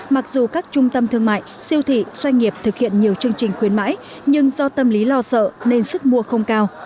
mặc dù các trung tâm thương mại siêu thị doanh nghiệp thực hiện nhiều chương trình khuyến mãi nhưng do tâm lý lo sợ nên sức mua không cao